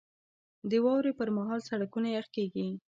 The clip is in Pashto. • د واورې پر مهال سړکونه یخ کېږي.